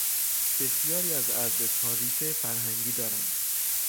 بسیاری از ارزشها ریشهی فرهنگی دارند.